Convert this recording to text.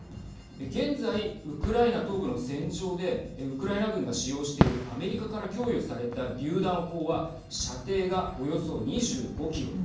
現在、ウクライナ東部の戦場でウクライナ軍が使用しているアメリカから供与されたりゅう弾砲は射程が、およそ２５キロ。